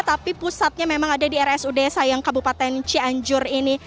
tapi pusatnya memang ada di rsud sayang kabupaten cianjur ini